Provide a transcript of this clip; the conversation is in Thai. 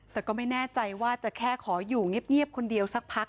แต่ก็ไม่แน่ใจว่าจะแค่ขออยู่เงียบคนเดียวสักพัก